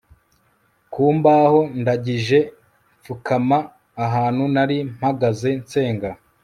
kumbaho ndangije mfukama ahantu nari mpagaze nsenga